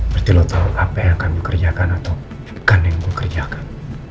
berarti lo tahu apa yang akan dikerjakan atau bukan yang gue kerjakan